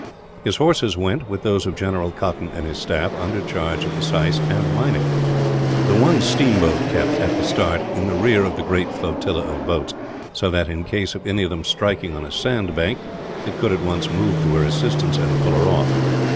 His horses went, with those of General Cotton and his staff, under charge of the syce and Meinik. The one steamboat kept, at the start, in rear of the great flotilla of boats so that, in case of any of them striking on a sandbank, it could at once move to her assistance, and pull her off.